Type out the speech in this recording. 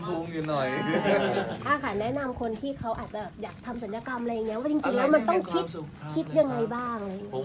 คุณคิดยังไงบ้าง